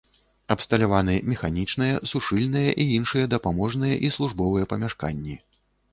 Абсталяваны механічныя, сушыльныя і іншыя дапаможныя і службовыя памяшканні.